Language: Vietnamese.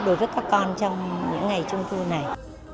đối với các con trong những ngày trung thu này